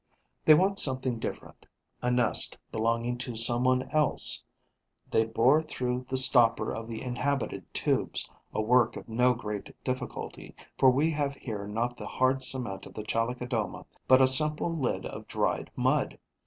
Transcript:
They want something different: a nest belonging to some one else. They bore through the stopper of the inhabited tubes, a work of no great difficulty, for we have here not the hard cement of the Chalicodoma, but a simple lid of dried mud.